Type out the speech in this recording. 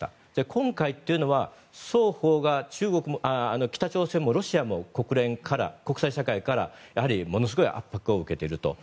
今回というのは北朝鮮もロシアも国際社会からやはりものすごい圧迫を受けていると。